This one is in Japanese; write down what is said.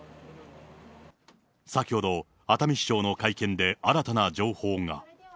先ほど、熱海市長の会見で、新たな情報が。